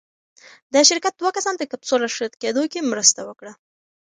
د شرکت دوه کسان د کپسول راښکته کېدو کې مرسته وکړه.